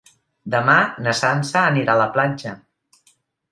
Demà na Sança anirà a la platja.